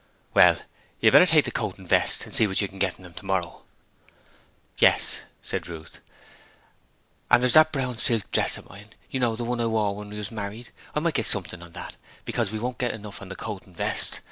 'Well, you'd better take the coat and vest and see what you can get on 'em tomorrow.' 'Yes,' said Ruth; 'and there's that brown silk dress of mine you know, the one I wore when we was married I might get something on that, because we won't get enough on the coat and vest.